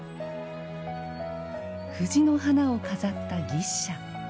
藤の花を飾った牛車。